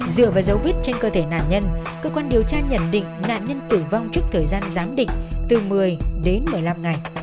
dựa vào dấu vết trên cơ thể nạn nhân cơ quan điều tra nhận định nạn nhân tử vong trước thời gian giám định từ một mươi đến một mươi năm ngày